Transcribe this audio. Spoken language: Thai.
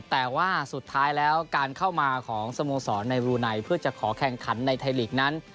แต่ว่าสุดท้ายแล้วการเข้ามาของสโมสรในรูไนเพื่อจะขอแข่งขันในไทยลีกนั้น